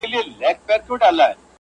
ولي پردۍ مینې ته لېږو د جهاني غزل؛